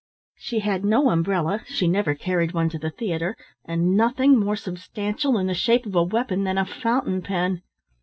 She had no umbrella she never carried one to the theatre and nothing more substantial in the shape of a weapon than a fountain pen.